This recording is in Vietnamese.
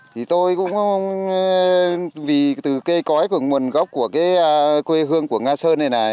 thì tôi cũng vì từ cây cõi của nguồn gốc của cái quê hương của nga sơn này này